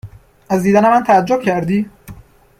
از دیدن من تعجب کردی ؟